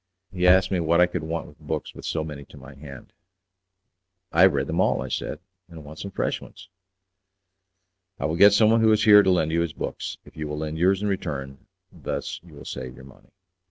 He asked me what I could want with books with so many to my hand. "I have read them all," I said, "and want some fresh ones." "I will get someone who is here to lend you his books, if you will lend yours in return; thus you will save your money."